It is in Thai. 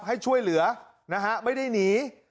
ให้ช่วยเหลือนะฮะไม่ได้หนี